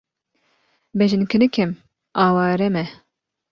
Bejn kinik im, eware me.